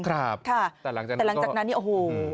ครับแต่หลังจากนั้นก็ครับแต่หลังจากนั้นโอ้โฮ